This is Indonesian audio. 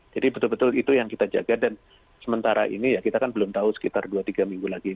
jadi betul betul itu yang kita jaga dan sementara ini ya kita kan belum tahu sekitar dua tiga minggu lagi